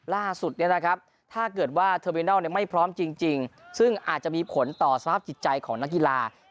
ล่าสุดถ้าเกิดว่าเทอร์มินัลไม่พร้อมจริงซึ่งอาจจะมีผลต่อสภาพจิตใจของนักกีฬา